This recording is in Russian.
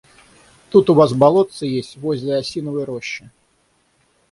Тут у вас болотце есть, возле осиновой рощи.